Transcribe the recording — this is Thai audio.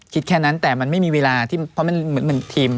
คิดแค่นั้นแต่มันไม่มีเวลาที่เพราะมันเหมือนทีม